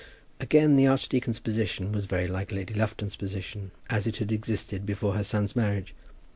Again the archdeacon's position was very like Lady Lufton's position, as it had existed before her son's marriage.